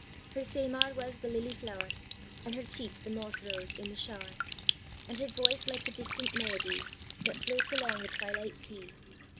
Her seymar was the lily flower, And her cheek the moss rose in the shower; And her voice like the distant melodye, That floats along the twilight sea.